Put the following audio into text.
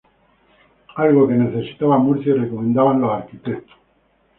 Algo que necesitaba Murcia y recomendaban los arquitectos.